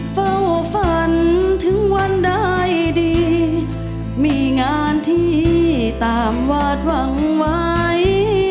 เฝ้าฝันถึงวันได้ดีมีงานที่ตามวาดหวังไว้